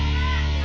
terima kasih bu